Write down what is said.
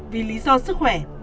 vì lý do sức khỏe